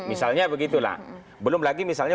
misalnya begitu lah belum lagi misalnya